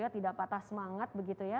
tidak patah semangat begitu ya